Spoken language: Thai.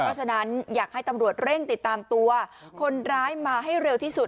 เพราะฉะนั้นอยากให้ตำรวจเร่งติดตามตัวคนร้ายมาให้เร็วที่สุด